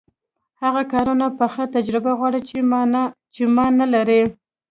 هغه کارونه پخه تجربه غواړي چې ما نلري.